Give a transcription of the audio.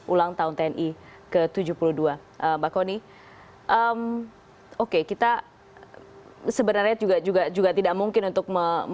ulang tahun tni ke tujuh puluh dua mbak kony oke kita sebenarnya juga juga tidak mungkin untuk